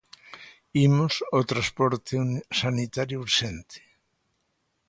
Imos ao transporte sanitario urxente.